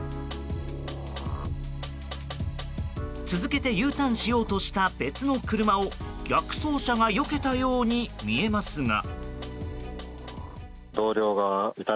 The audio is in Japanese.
続けてＵターンしようとした別の車を逆走車がよけたように見えますが。